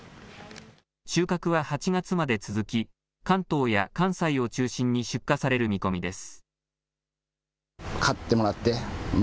収穫は８月まで続き関東や関西を中心に出荷される見込みです。